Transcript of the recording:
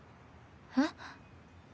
えっ？